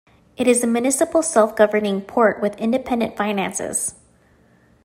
It is a municipal self-governing port with independent finances.